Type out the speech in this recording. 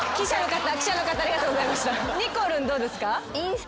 にこるんどうですか？